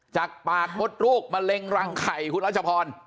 จากปากมดโรคมะเร็งรังไข่คุณรัชพร